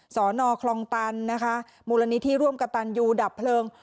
สอนอคลองตันนะคะมูลนิธิร่วมกับตันยูดับเพลิง